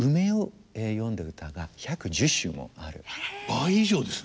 倍以上ですね。